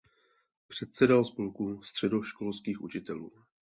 Předsedal spolku středoškolských učitelů.